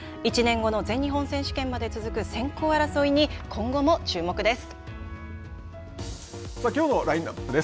１年後の全日本選手権まで続く選考争いにきょうのラインナップです。